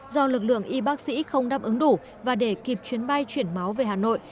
do lực lượng y bác sĩ không đáp ứng đủ và để kịp chuyến bay chuyển máu về hà nội